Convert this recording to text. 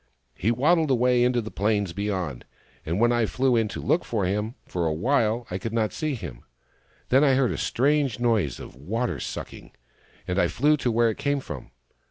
" He waddled away into the plains beyond, and when I flew in to look for him, for awhile I could not find him. Then I heard a strange noise of water sucking, and I flew to where it came from.